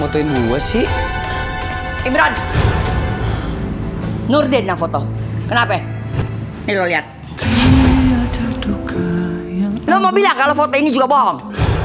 motoin gue sih ibran nur denang foto kenapa ini lihat lo mau bilang kalau foto ini juga bohong